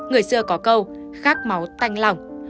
giờ có câu khát máu tanh lòng